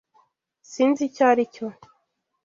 Sinzi icyo aricyo.